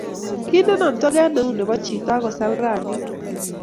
Kindeno toget neu nebo chito, akosal rangik